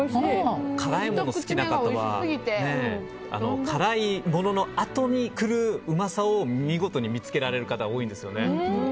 辛いもの好きな方は辛いもののあとにくるうまさを見事に見つけられる方が多いですよね。